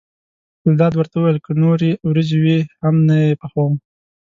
ګلداد ورته وویل که نورې وریجې وي هم نه یې پخوم.